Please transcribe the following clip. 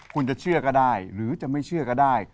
คุณจะเชื่อก็ได้หรือจะไม่เชื่อก็ได้